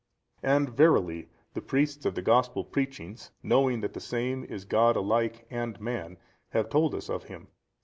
And verily the priests of the gospel preachings, knowing that the Same is God alike and man, have told us of Him.